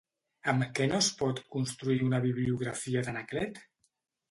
Amb què no es pot construir una bibliografia d'Anaclet?